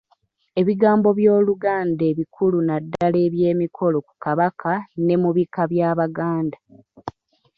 Ebigambo by'Oluganda ebikulu naddala eby'emikolo ku Kabaka ne mu bika by'Abaganda.